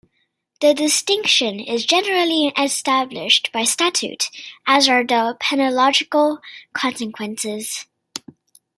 The distinction is generally established by statute, as are the penological consequences.